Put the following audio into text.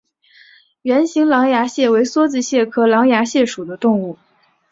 圆形狼牙蟹为梭子蟹科狼牙蟹属的动物。